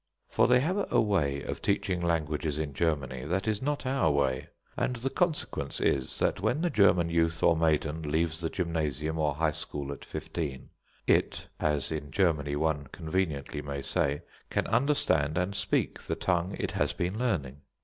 For they have a way of teaching languages in Germany that is not our way, and the consequence is that when the German youth or maiden leaves the gymnasium or high school at fifteen, "it" (as in Germany one conveniently may say) can understand and speak the tongue it has been learning.